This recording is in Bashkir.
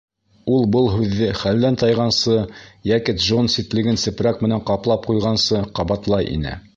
Ул был һүҙҙе хәлдән тайғансы йәки Джон ситлеген сепрәк менән ҡаплап ҡуйғансы ҡабатлай ине.